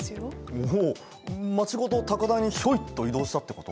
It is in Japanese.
おお町ごと高台にヒョイッと移動したってこと？